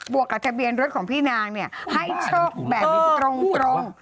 วกกับทะเบียนรถของพี่นางเนี่ยให้โชคแบบนี้ตรง